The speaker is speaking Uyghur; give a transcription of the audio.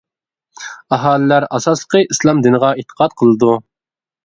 ئاھالىلەر، ئاساسلىقى، ئىسلام دىنىغا ئېتىقاد قىلىدۇ.